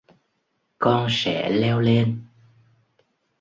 Con sẽ leo lên